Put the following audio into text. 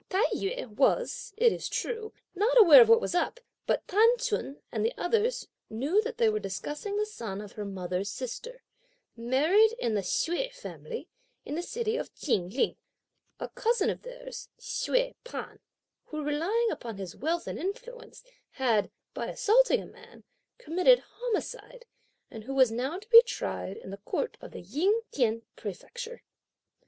Tai yü was, it is true, not aware of what was up, but T'an Ch'un and the others knew that they were discussing the son of her mother's sister, married in the Hsüeh family, in the city of Chin Ling, a cousin of theirs, Hsüeh P'an, who relying upon his wealth and influence had, by assaulting a man, committed homicide, and who was now to be tried in the court of the Ying T'ien Prefecture.